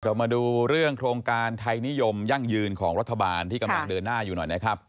มาดูเรื่องโครงการไทยนิยมยั่งยืนของรัฐบาลที่กำลังเดินหน้าอยู่หน่อยนะครับ